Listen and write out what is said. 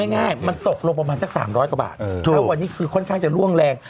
ง่ายมันตกลงประมาณสัก๓๐๐กว่าบาทแล้ววันนี้คือค่อนข้างจะร่วงแรง